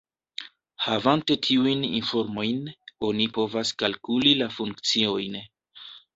Havante tiujn informojn, oni povas kalkuli la funkciojn.